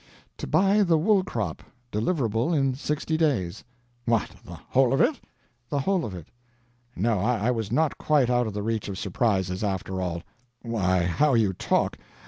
"To buy the wool crop deliverable in sixty days." "What, the whole of it?" "The whole of it." "No, I was not quite out of the reach of surprises, after all. Why, how you talk!